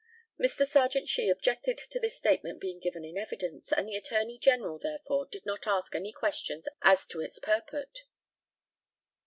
Mr. Serjeant SHEE objected to this statement being given in evidence, and the Attorney General, therefore, did not ask any questions as to its purport.